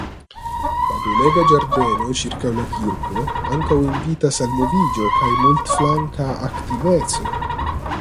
La belega ĝardeno ĉirkaŭ la kirko ankaŭ invitas al moviĝo kaj multflanka aktiveco.